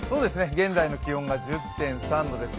現在の気温が１０．３度です。